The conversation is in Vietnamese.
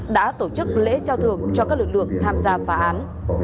đã tổ chức lễ trao thường cho các lực lượng tham gia phá án